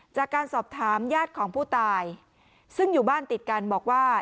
จากการสอบถามญาติของผู้ตายซึ่งอยู่บ้านติดกันบอกว่า